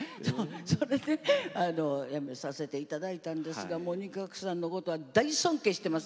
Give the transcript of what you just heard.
それでやめさせていただいたんですが仁鶴さんのことは大尊敬してます。